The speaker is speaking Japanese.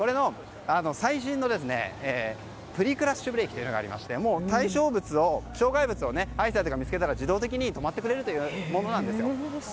最新のプリクラッシュブレーキというのがありまして障害物をアイサイトが見つけたら自動的に止まってくれるものなんです。